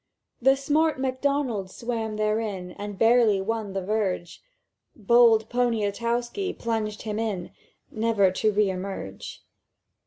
"The smart Macdonald swam therein, And barely won the verge; Bold Poniatowski plunged him in Never to re emerge.